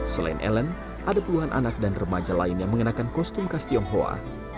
selain ellen ada puluhan anak dan remaja lain yang mengenakan kostum khas tionghoa